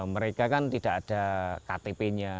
mereka kan tidak ada ktp nya